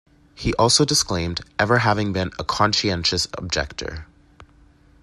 He also disclaimed ever having been a conscientious objector.